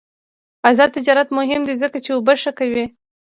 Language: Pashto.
آزاد تجارت مهم دی ځکه چې اوبه ښه کوي.